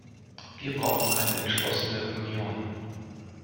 Wie brauchen eine entschlossene Union.